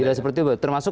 tidak seperti itu